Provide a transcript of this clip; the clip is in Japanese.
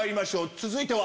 続いては？